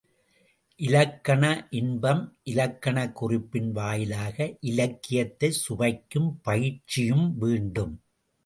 இலக்கண இன்பம் இலக்கணக் குறிப்பின் வாயிலாக இலக்கியத்தைச் சுவைக்கும் பயிற்சியும் வேண்டும்.